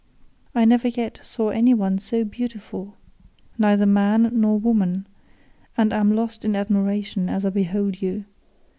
I never yet saw any one so beautiful, neither man nor woman, and am lost in admiration as I behold you.